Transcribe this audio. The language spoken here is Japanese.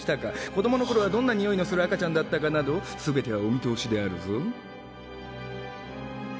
子供のころはどんなにおいのする赤ちゃんだったかなど全てはお見通しであるぞ。